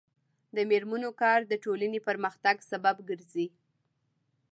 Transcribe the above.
د میرمنو کار د ټولنې پرمختګ سبب ګرځي.